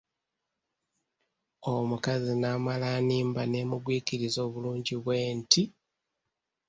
Omukazi n’amala annimba ne mugwikiriza obulungi nti!